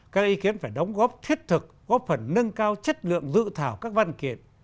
các ý kiến phải đóng góp thiết thực góp phần nâng cao chất lượng dự thảo các văn kiện